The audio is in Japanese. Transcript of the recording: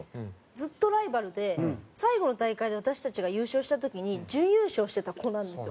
ずっとライバルで最後の大会で私たちが優勝した時に準優勝してた子なんですよ。